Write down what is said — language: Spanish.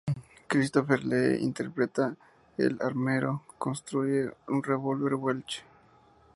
Christopher Lee interpreta al armero que construye un revólver Welch.